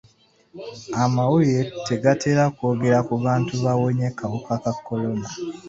Amawulire tegatera kwogera ku bantu bawonye kawuka ka kolona.